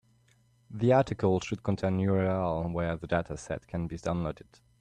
The article should contain URL where the dataset can be downloaded.